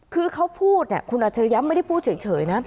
คือเขาพูดเนี่ยคุณอัจฉริยะไม่ได้พูดเฉยนะ